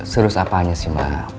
serius apaan sih ma